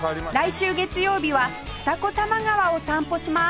来週月曜日は二子玉川を散歩します